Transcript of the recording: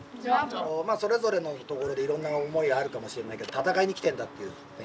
まあそれぞれのところでいろんな思いあるかもしれないけど戦いに来てんだっていうね